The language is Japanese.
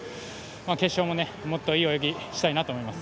決勝ももっといい泳ぎしたいなと思います。